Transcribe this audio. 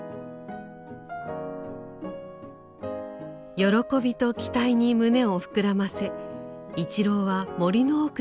喜びと期待に胸を膨らませ一郎は森の奥へと向かいます。